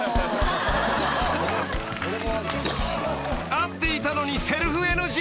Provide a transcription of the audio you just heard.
［合っていたのにセルフＮＧ］